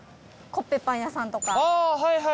コッペパン屋さんとか行ったの。